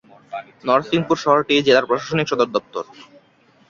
নরসিংপুর শহরটি এই জেলার প্রশাসনিক সদর দপ্তর।